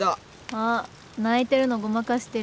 あっ泣いてるのごまかしてる。